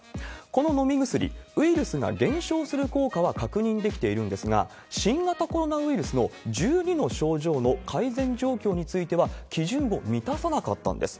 この飲み薬、ウイルスが減少する効果は確認できているんですが、新型コロナウイルスの１２の症状の改善状況については、基準を満たさなかったんです。